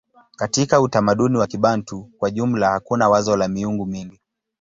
Katika utamaduni wa Kibantu kwa jumla hakuna wazo la miungu mingi.